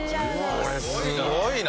これすごいな。